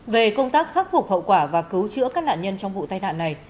về công tác khắc phục hậu quả và cứu chữa các nạn nhân trong vụ tai nạn này